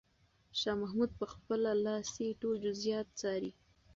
شاه محمود په خپله لاس ټول جزئیات څاري.